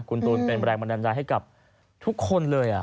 คุณตูนเป็นแรงบันดาลใจให้กับทุกคนเลย